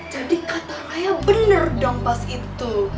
jadi kata raya bener dong pas itu